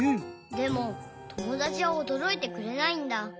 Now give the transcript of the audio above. でもともだちはおどろいてくれないんだ。